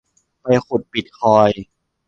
ไปขุดบิตคอยน์